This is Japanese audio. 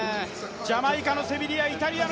ジャマイカのセビリア